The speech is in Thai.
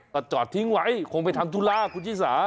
ก็จอดทิ้งไว้คงไปทำธุระคุณชิสา